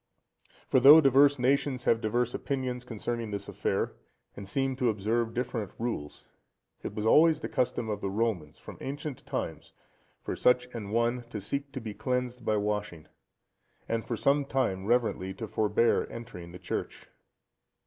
For though divers nations have divers opinions concerning this affair, and seem to observe different rules, it was always the custom of the Romans, from ancient times, for such an one to seek to be cleansed by washing, and for some time reverently to forbear entering the church.